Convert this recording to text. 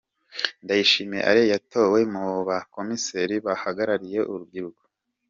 Ndayishimiye Alain yatowe mu bakomiseri bahagarariye urubyiruko.